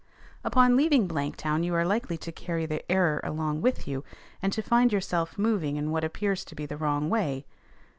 Upon leaving Blanktown you are likely to carry the error along with you, and to find yourself moving in what appears to be the wrong way.